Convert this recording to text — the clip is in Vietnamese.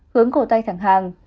hướng cổ tay thẳng hàng